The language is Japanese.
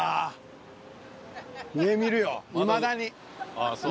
ああそう。